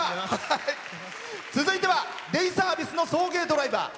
続いてはデイサービスの送迎ドライバー。